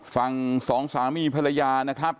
ฝั่งสองสามีภรรยานะครับ